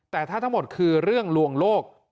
แต่ถ้าทั้งหมดคือเรื่องลวงโลก